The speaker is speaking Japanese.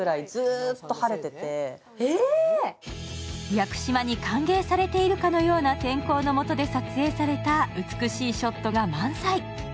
屋久島に歓迎されているかのような天候のもとで撮影された美しいショットが満載。